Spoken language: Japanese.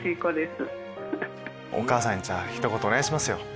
お母さんにひと言お願いしますよ。